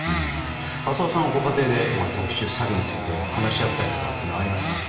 浅尾さんはご家庭で特殊詐欺について話し合ったりすることはありますか？